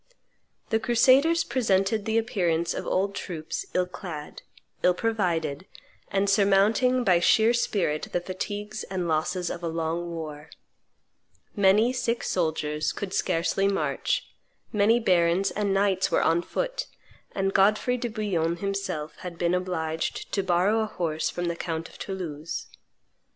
The crusaders presented the appearance of old troops ill clad, ill provided, and surmounting by sheer spirit the fatigues and losses of a long war; many sick soldiers could scarcely march; many barons and knights were on foot; and Godfrey de Bouillon himself had been obliged to borrow a horse from the count of Toulouse.